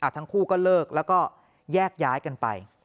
ทั้งคู่ก็เลิกแล้วก็แยกย้ายกันไป